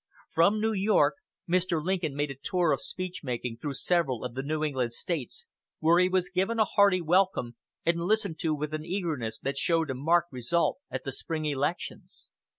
From New York Mr. Lincoln made a tour of speech making through several of the New England States, where he was given a hearty welcome, and listened to with an eagerness that showed a marked result at the spring elections.